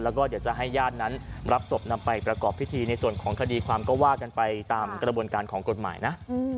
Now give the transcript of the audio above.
แล้วก็เดี๋ยวจะให้ญาตินั้นรับศพนำไปประกอบพิธีในส่วนของคดีความก็ว่ากันไปตามกระบวนการของกฎหมายนะ